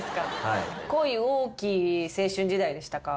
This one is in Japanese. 恋多き青春時代でしたか？